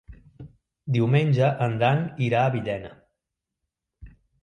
Diumenge en Dan irà a Villena.